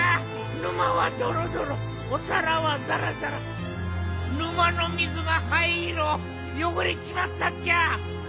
沼はドロドロおさらはザラザラ沼の水がはいいろよごれちまったっちゃ！